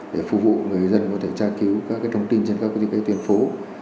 để phục vụ người dân có thể tra cứu các thông tin trên các quy định phố